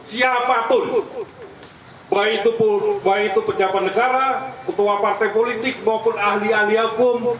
siapapun baik itu pejabat negara ketua partai politik maupun ahli ahli hukum